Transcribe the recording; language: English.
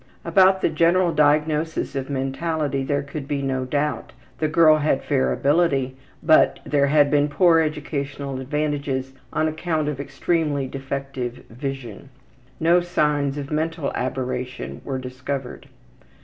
About the general diagnosis of mentality there could be no doubt; the girl had fair ability, but there had been poor educational advantages on account of extremely defective vision. No signs of mental aberration were discovered.